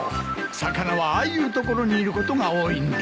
魚はああいう所にいることが多いんだ。